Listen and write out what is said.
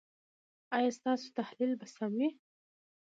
ایا ستاسو تحلیل به سم وي؟